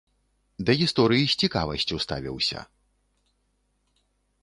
Да гісторыі з цікавасцю ставіўся.